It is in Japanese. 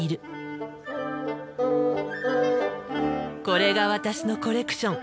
これが私のコレクション。